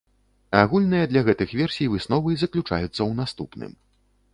Агульныя для гэтых версій высновы заключаюцца ў наступным.